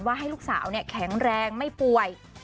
ให้ลูกสาวแข็งแรงไม่ป่วย